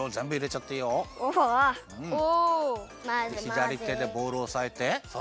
ひだりてでボウルをおさえてそうだ！